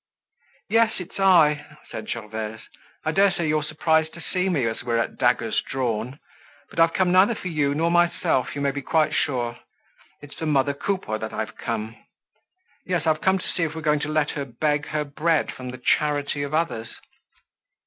"Yes, it's I!" said Gervaise. "I daresay you're surprised to see me as we're at daggers drawn. But I've come neither for you nor myself you may be quite sure. It's for mother Coupeau that I've come. Yes, I have come to see if we're going to let her beg her bread from the charity of others."